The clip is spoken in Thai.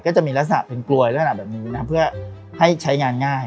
ก็จะมีลักษณะเป็นกลวยแบบนี้เพื่อให้ใช้งานง่าย